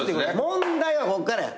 問題はこっからや。